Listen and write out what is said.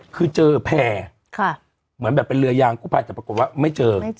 คือเจอแผ่เหมือนแบบเป็นเรือยางก็ปล่อยจะปรากฎว่าไม่เจอ